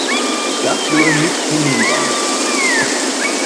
Das wäre nicht hinnehmbar.